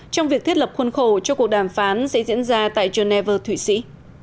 trong việc thiết lập khuôn khổ cho cuộc đàm phán sẽ diễn ra tại geneva thụy sĩ